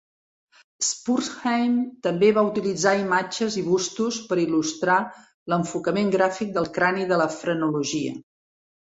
Spurzheim també va utilitzar imatges i bustos per il·lustrar l'enfocament gràfic del crani de la frenologia.